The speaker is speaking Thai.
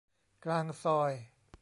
กลางซอย